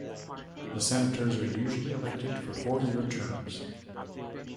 The senators are usually elected for four-year terms.